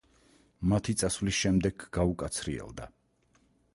მათი წასვლის შემდეგ გაუკაცრიელდა.